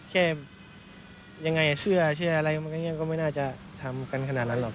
แค่ยังไงเสื้อเชื่ออะไรมันก็ไม่น่าจะทำกันขนาดนั้นหรอก